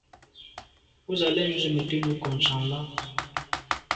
Wù z’a lèn ju ze me te num nko’ tshan à.